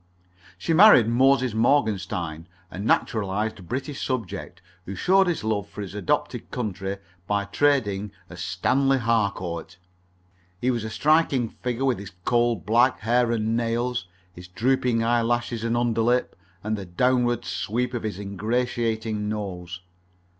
She married Moses Morgenstein, a naturalized British subject, who showed his love for his adopted country by trading as Stanley Harcourt. He was a striking figure with his coal black hair and nails, his drooping eye lashes and under lip, and the downward sweep of his ingratiating nose.